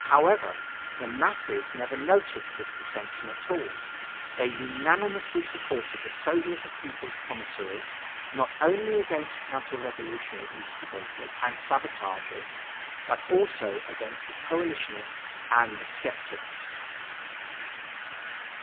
However, the masses never noticed this dissension at all. They unanimously supported the Soviet of People's Commissaries, not only against counter revolutionary instigators and sabotagers but also against the coalitionists and the skeptics.